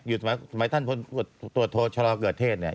อยู่สมัยท่านตัวโทชลเกิดเทศเนี่ย